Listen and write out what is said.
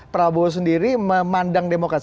prabowo sendiri memandang demokrat